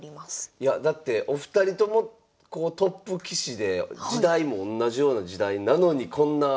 いやだってお二人ともトップ棋士で時代もおんなじような時代なのにこんな。